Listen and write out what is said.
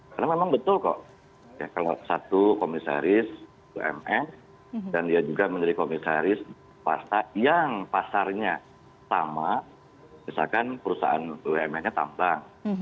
karena memang betul kok kalau satu komisaris umn dan dia juga menjadi komisaris yang pasarnya sama misalkan perusahaan umn nya tambang